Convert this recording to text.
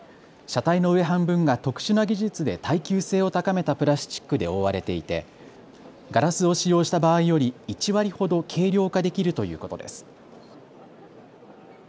車体の上半分が特殊な技術で耐久性を高めたプラスチックで覆われていてガラスを使用した場合より１割ほど軽量化できるということです。